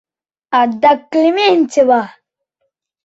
Адак Клементьева!..